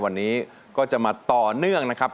วันนี้ก็จะมาต่อเนื่องนะครับ